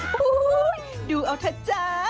โอ้โฮดูเอาเถอะจ๊ะ